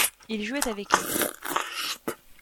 Il jouait avec eux.